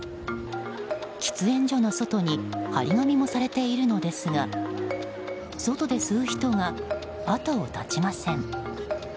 喫煙所の外に貼り紙もされているのですが外で吸う人が後を絶ちません。